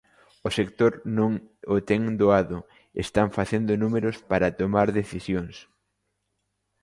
O sector non o ten doado, están facendo números para tomar decisións.